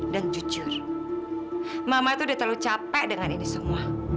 dan jujur mama tuh udah terlalu capek dengan ini semua